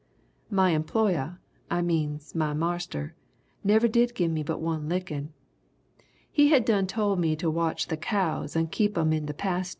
My employer I means, my marster, never did give me but one lickin'. He had done told me to watch the cows and keep 'em in the pastur'.